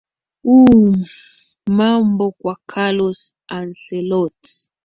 uum mambo kwa carols ancellot